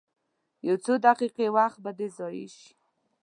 یو څو دقیقې وخت به دې ضایع شي.